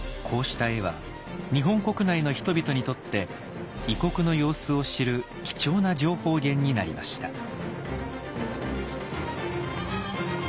こうした絵は日本国内の人々にとって異国の様子を知る貴重な情報源になりました。